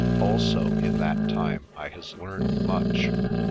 Also, in that time I has learned much.